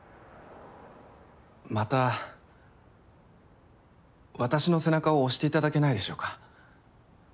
また私の背中を押していただけないでしょうか？